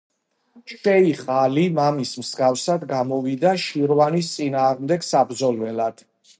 შეიხ ალი, მამის მსგავსად, გამოვიდა შირვანის წინააღმდეგ საბრძოლველად.